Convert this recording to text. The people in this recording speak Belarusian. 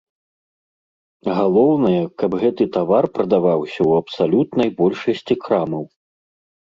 Галоўнае, каб гэты тавар прадаваўся ў абсалютнай большасці крамаў.